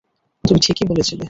তুমি ঠিকই বলেছিলে।